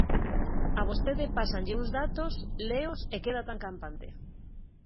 A vostede pásanlle uns datos, leos e queda tan campante.